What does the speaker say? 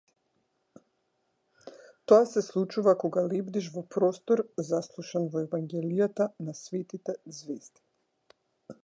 Тоа се случува кога лебдиш во простор заслушан во евангелијата на свитите ѕвезди.